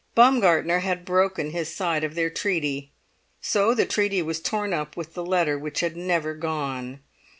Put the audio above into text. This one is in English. Baumgartner had broken his side of their treaty, so the treaty was torn up with the letter which had never gone.